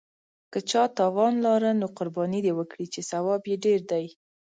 که چا توان لاره نو قرباني دې وکړي، چې ثواب یې ډېر دی.